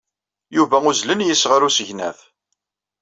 Yuba uzzlen yes-s ɣer usegnaf.